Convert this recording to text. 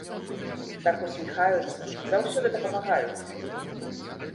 Так усміхаюцца, заўсёды дапамагаюць!